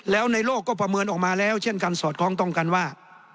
แล้วในโลกก็ประเมินออกมาแล้วเช่นกันสอดคล้องต้องกันว่า